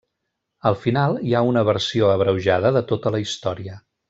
Al final, hi ha una versió abreujada de tota la història.